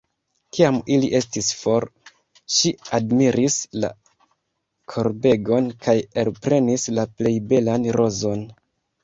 Kiam ili estis for, ŝi admiris la korbegon kaj elprenis la plej belan rozon.